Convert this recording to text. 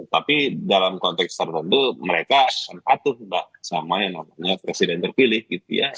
tapi dalam konteks tertentu mereka akan patuh sama yang namanya presiden terpilih gitu ya